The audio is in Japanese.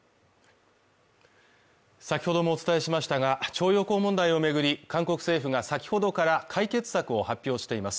先ほどもお伝えしましたが、徴用工問題を巡り、韓国政府が先ほどから解決策を発表しています。